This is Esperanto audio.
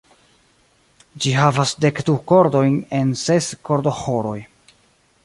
Ĝi havas dekdu kordojn en ses kordoĥoroj.